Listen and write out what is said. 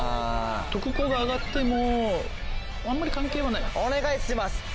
とくこうが上がってもあんまり関係はない。